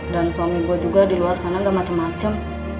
dan suami gue juga diluar sana gak macem macem